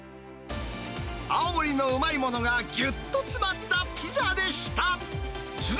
青森のうまいものがぎゅっと詰まったピザでした。